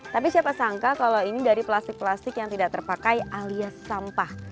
tapi siapa sangka kalau ini dari plastik plastik yang tidak terpakai alias sampah